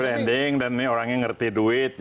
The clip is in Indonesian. branding dan ini orangnya ngerti duit